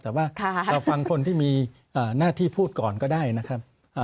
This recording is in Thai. แต่ว่าเราฟังคนที่มีหน้าที่พูดก่อนก็ได้นะครับ